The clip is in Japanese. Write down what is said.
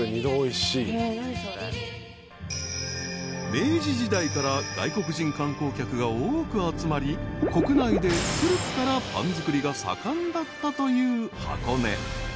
［明治時代から外国人観光客が多く集まり国内で古くからパン作りが盛んだったという箱根］